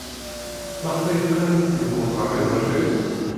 Maɣef ay qqiment deg uxxam iḍelli?